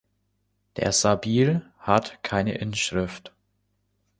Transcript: Der Sabil hat keine Inschrift.